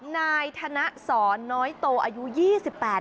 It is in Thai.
นายธนสอนน้อยโตอายุ๒๘ปี